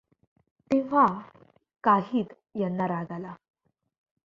तेव्हा काहीद यांना राग आला.